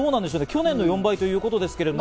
去年の４倍ということですけど。